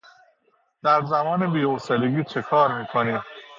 در زمان بی حوصلگی چه کار میکنی؟